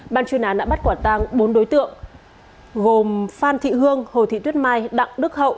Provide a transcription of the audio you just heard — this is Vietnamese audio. ban chuyên án đã bắt quả tăng bốn đối tượng gồm phan thị hương hồ thị tuyết mai đặng đức hậu